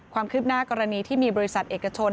ความคืบหน้ากรณีที่มีบริษัทเอกชน